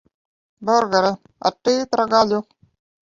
Burgeri ar tītara gaļu.